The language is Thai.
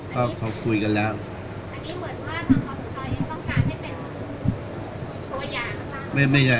การสำรรค์ของเจ้าชอบใช่